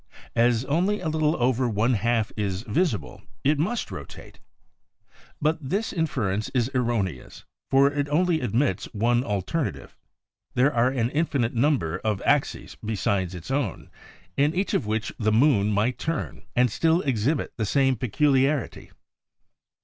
As only a little over one half is visible it must rotate." But this in . ference is erroneous, for it only admits of one alternative. There are an infinite number of axis besides its own in each of which the moon might turn and still exhibit the same peculiarity.